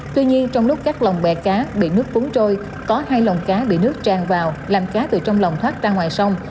tuy nhiên trong lúc các lồng bè cá bị nước cuốn trôi có hai lồng cá bị nước tràn vào làm cá từ trong lòng thoát ra ngoài sông